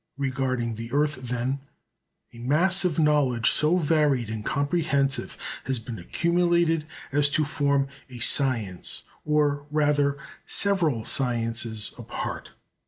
Regarding the earth, then, a mass of knowledge so varied and comprehensive has been accumulated as to form a science or rather several sciences apart.